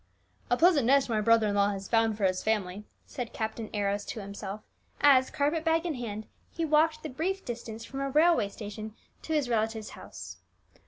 "A pleasant nest my brother in law has found for his family," said Captain Arrows to himself, as, carpet bag in hand, he walked the brief distance from a railway station to his relative's house.